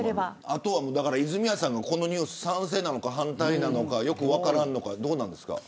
あとは、泉谷さんがこのニュース、賛成か反対かよく分からんのかどうなんですか。